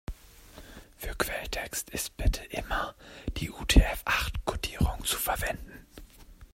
Für Quelltext ist bitte immer die UTF-acht-Kodierung zu verwenden.